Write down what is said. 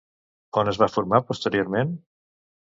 On es va formar posteriorment?